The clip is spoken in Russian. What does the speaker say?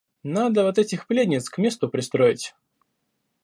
Надо вот этих пленниц к месту пристроить.